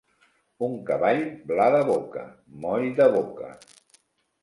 Un cavall bla de boca, moll de boca.